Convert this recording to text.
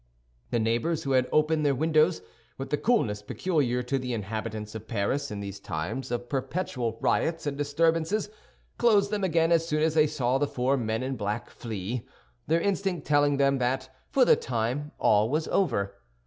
The neighbors who had opened their windows, with the coolness peculiar to the inhabitants of Paris in these times of perpetual riots and disturbances, closed them again as soon as they saw the four men in black flee—their instinct telling them that for the time all was over.